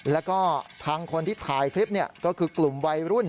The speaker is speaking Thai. แล้วก็ทางคนที่ถ่ายคลิปก็คือกลุ่มวัยรุ่น